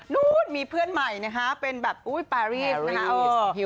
นู้นมีเพื่อนใหม่นะคะเป็นแบบอุ้ยปารีสนะคะ